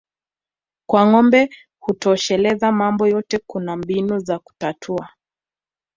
Kwa ngombe hutosheleza mambo yote kuna mbinu za kutatua